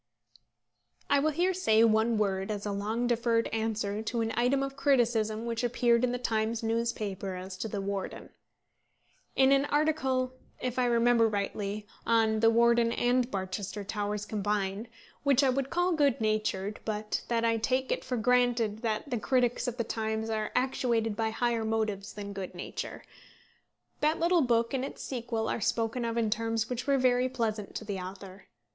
I will here say one word as a long deferred answer to an item of criticism which appeared in the Times newspaper as to The Warden. In an article if I remember rightly, on The Warden and Barchester Towers combined which I would call good natured, but that I take it for granted that the critics of the Times are actuated by higher motives than good nature, that little book and its sequel are spoken of in terms which were very pleasant to the author.